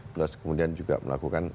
plus kemudian juga melakukan